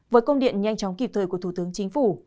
với công điện nhanh chóng kịp thời của thủ tướng chính phủ